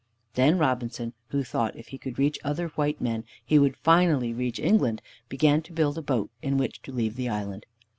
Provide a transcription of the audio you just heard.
Then Robinson, who thought if he could reach other white men, he would finally reach England, began to build a boat in which to leave the island.